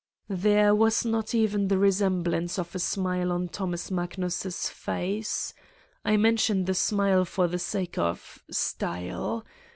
There was not even the resemblance of a smile on Thomas Magnus* face. I mention the smile 118 Satan's Diary for the sake of ... style.